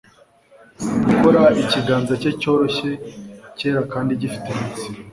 gukora ikiganza cye cyoroshye, cyera kandi gifite imitsi